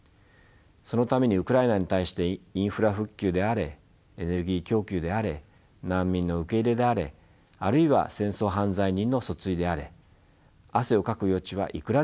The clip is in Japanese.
そのためにウクライナに対してインフラ復旧であれエネルギー供給であれ難民の受け入れであれあるいは戦争犯罪人の訴追であれ汗をかく余地はいくらでもあり